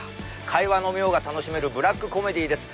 会話の妙が楽しめるブラックコメディーです。